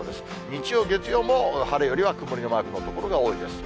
日曜、月曜も晴れよりは曇りのマークのほうが多いです。